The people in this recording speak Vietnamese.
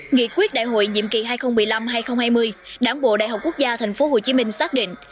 nghị quyết đại hội nhiệm kỳ hai nghìn một mươi năm hai nghìn hai mươi đảng bộ đại học quốc gia tp hcm xác định